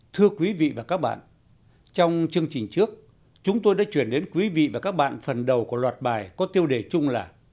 thưa quý vị và các bạn trong chương trình trước chúng tôi đã chuyển đến quý vị và các bạn phần đầu của loạt bài có tiêu đề chung là